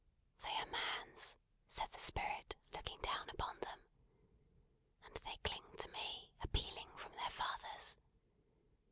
"They are Man's," said the Spirit, looking down upon them. "And they cling to me, appealing from their fathers.